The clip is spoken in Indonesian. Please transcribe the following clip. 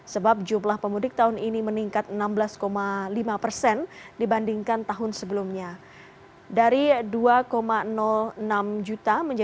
sebab jumlah pemudik tahun ini meningkat enam belas lima persen dibandingkan tahun sebelumnya